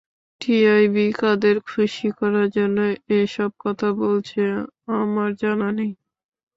TIB কাদের খুশি করার জন্য এসব কথা বলছে, আমার জানা নেই।